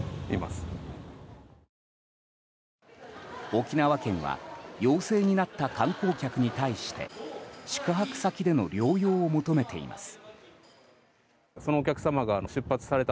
沖縄県は陽性になった観光客に対して宿泊先での療養を求めています。